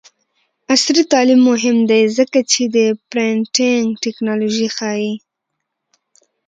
عصري تعلیم مهم دی ځکه چې د پرنټینګ ټیکنالوژي ښيي.